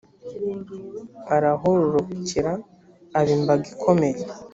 arahororokera, aba imbaga ikomeye,